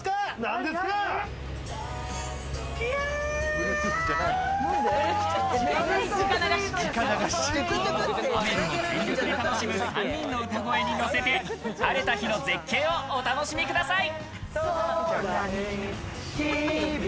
雨でも全力で楽しむ３人の歌声にのせて晴れた日の絶景をお楽しみください。